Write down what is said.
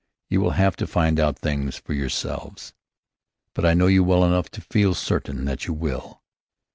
You will have to find out things for yourselves. But I know you well enough to feel certain that you will.